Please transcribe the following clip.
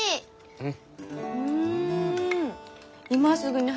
うん。